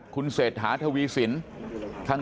คุณเศรษฐาทวีสิน